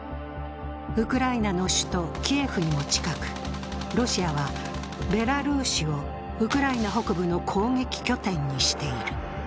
ウクライナの首都キエフにも近くロシアはベラルーシをウクライナ北部の攻撃拠点にしている。